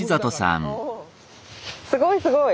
あすごい。